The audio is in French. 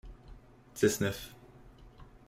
Dix-neuf.